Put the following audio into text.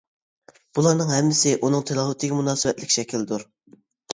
بۇلارنىڭ ھەممىسى ئۇنىڭ تىلاۋىتىگە مۇناسىۋەتلىك شەكىلدۇر.